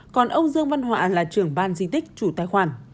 còn ông dương văn họa là trưởng ban di tích chủ tài khoản